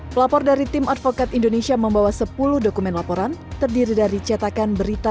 pelapor dari tim advokat indonesia membawa sepuluh dokumen laporan terdiri dari cetakan berita